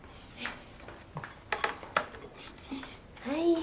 はい。